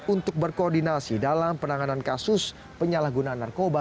untuk berkoordinasi dalam penanganan kasus penyalahgunaan narkoba